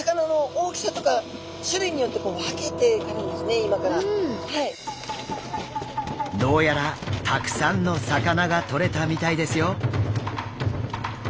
今どうやらたくさんの魚がとれたみたいですよ。